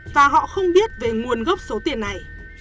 và họ không biết về nguồn gốc số tiền này